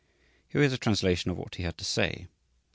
Here is a translation of what he had to say.